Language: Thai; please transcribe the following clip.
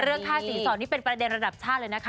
เรื่องภาพศีลสอสเป็นประเด็นระดับชาติเลยนะคะ